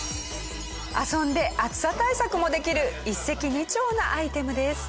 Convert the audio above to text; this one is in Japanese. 遊んで暑さ対策もできる一石二鳥なアイテムです。